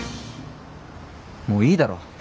もういいだろ。